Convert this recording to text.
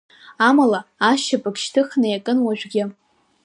Амала, азшьапык шьҭыхны иакын уажәгьы.